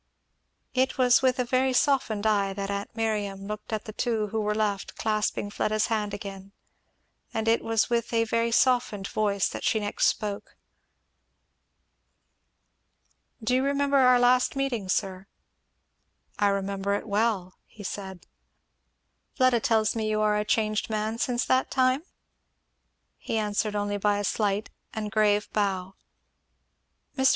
It was with a very softened eye that aunt Miriam looked at the two who were left, clasping Fleda's hand again; and it was with a very softened voice that she next spoke. "Do you remember our last meeting, sir?" "I remember it well," he said. "Fleda tells me you are a changed man since that time?" He answered only by a slight and grave bow. "Mr.